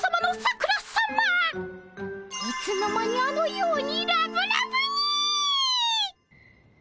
いつの間にあのようにラブラブに！